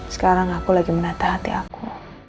sekarang aku lagi menata hati aku